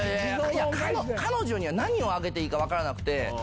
いや、彼女には何をあげていいか分からなくて。